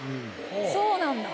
そうなんだ。